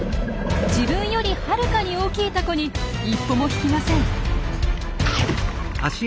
自分よりはるかに大きいタコに一歩も引きません。